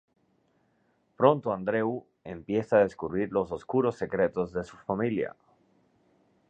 Pronto Andreu empieza a descubrir los oscuros secretos de su familia.